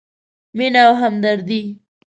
مینه او همدردي: